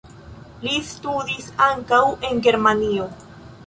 Li studis ankaŭ en Germanio.